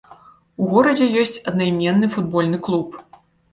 У горадзе ёсць аднайменны футбольны клуб.